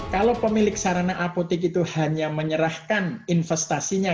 kalau pemilik sarana apotik itu hanya menyerahkan investasinya